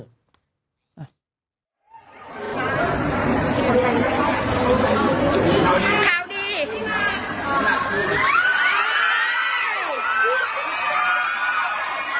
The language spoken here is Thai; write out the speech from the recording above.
ข่าวดี